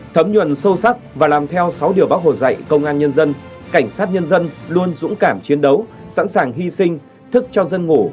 thấm nhuận sâu sắc và làm theo sáu điều bác hồ dạy công an nhân dân cảnh sát nhân dân luôn dũng cảm chiến đấu sẵn sàng hy sinh thức cho dân ngủ